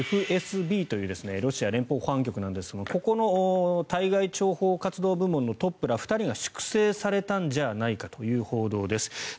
ＦＳＢというロシア連邦保安局なんですがここの対外諜報活動部門のトップら２人が粛清されたんじゃないかという報道です。